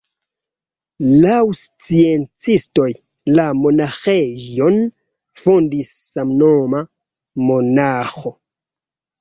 Laŭ sciencistoj, la monaĥejon fondis samnoma monaĥo.